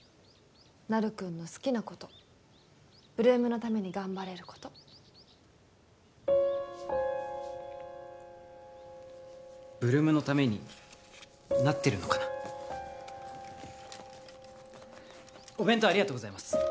なるくんの好きなこと８ＬＯＯＭのために頑張れること８ＬＯＯＭのためになってるのかなお弁当ありがとうございます